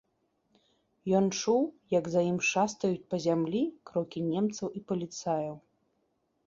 Ён чуў, як за ім шастаюць па зямлі крокі немцаў і паліцаяў.